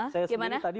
saya sendiri tadi